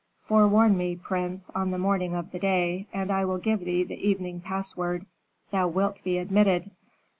"Forewarn me, prince, on the morning of the day, and I will give thee the evening password; thou wilt be admitted.